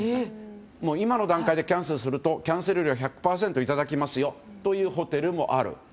今の段階でキャンセルするとキャンセル料１００％いただきますよというホテルもある。